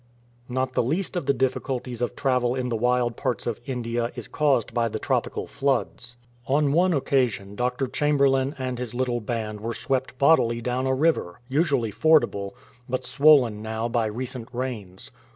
Not the least of the difficulties of travel in the wild parts of India is caused by the tropical floods. On one 43 A FLOOD ON THE GODAVERY occasion Dr. Chamberlain and his little band were swept bodily down a river, usually fordable, but swollen now by recent rains.